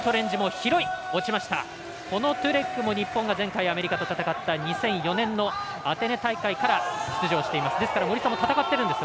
トュレックも日本が前回アメリカと戦った２００４年のアテネ大会から出場しています。